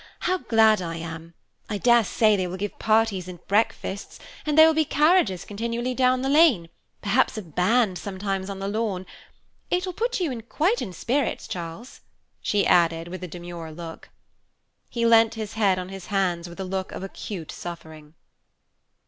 How glad I am! I dare say they will give parties and breakfasts, and there will be carriages continually down the lane, perhaps a band sometimes on the lawn. It will put you quite in spirits, Charles," she added, with a demure look. He leant his head on his hands with a look of acute suffering.